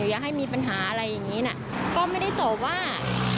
อย่าให้มีปัญหาอะไรอย่างนี้นะก็ไม่ได้ตอบว่า